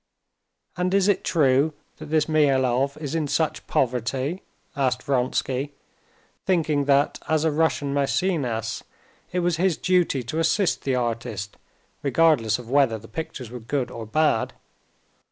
"And is it true that this Mihailov is in such poverty?" asked Vronsky, thinking that, as a Russian Mæcenas, it was his duty to assist the artist regardless of whether the picture were good or bad.